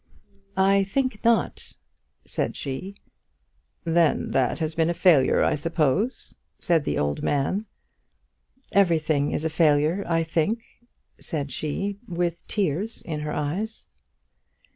"I think not," said she. "Then that has been a failure, I suppose," said the old man. "Everything is a failure, I think," said she, with tears in her eyes.